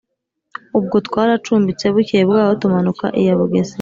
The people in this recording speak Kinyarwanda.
ubwo twaracumbitse, bukeye bwaho tumanuka iya bugesera